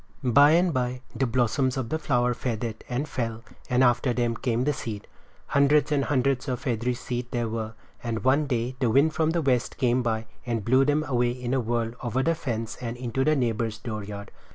By and by the blossoms of the flower faded and fell and after them came the seed. Hundreds and hundreds of feathery seed there were, and one day the wind from the west came by, and blew them away in a whirl over the fence and into the neighbor's dooryard.